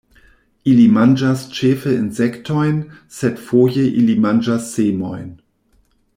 Ili manĝas ĉefe insektojn, sed foje ili manĝas semojn.